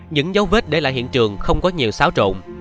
những dấu vết để lại hiện trường không có nhiều xáo trộn